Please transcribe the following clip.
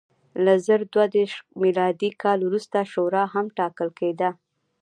له زر دوه دېرش میلادي کال وروسته شورا هم ټاکل کېده.